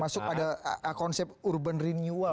termasuk ada konsep urban renewal